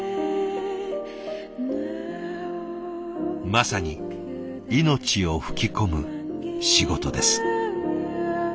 まさに命を吹き込む仕事です。